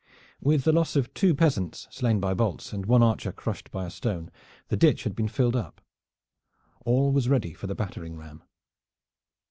With the loss of two peasants slain by bolts and one archer crushed by a stone, the ditch had been filled up. All was ready for the battering ram.